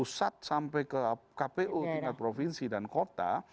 pusat sampai ke kpu tingkat provinsi dan kota